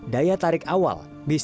daya tarik awal